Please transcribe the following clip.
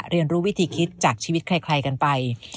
เรียนรู้วิธีคิดจากชีวิตใครกันไป